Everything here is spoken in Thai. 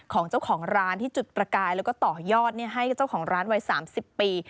ของเจ้าของร้านที่จุดประกายแล้วก็ต่อยอดให้เจ้าของร้านวัย๓๐ปี